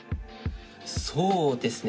そうですね。